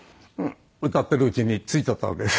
歌ってるうちに着いちゃったわけ。